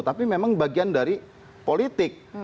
tapi memang bagian dari politik